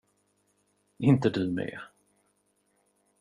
Inte du med.